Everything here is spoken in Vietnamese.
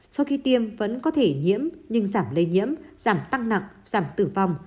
sau khi tiêm vẫn có thể nhiễm nhưng giảm lây nhiễm giảm tăng nặng giảm tử vong